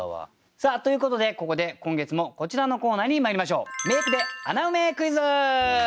さあということでここで今月もこちらのコーナーにまいりましょう。